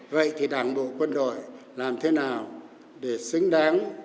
vậy thì đảng bộ quân đội làm thế nào để xứng đáng